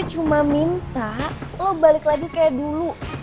cuma minta lo balik lagi kayak dulu